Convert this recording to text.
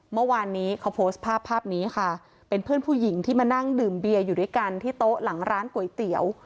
เมื่อวานนี้เขาโพสต์ภาพภาพนี้ค่ะเป็นเพื่อนผู้หญิงที่มานั่งดื่มเบียร์อยู่ด้วยกันที่โต๊ะหลังร้านก๋วยเตี๋ยว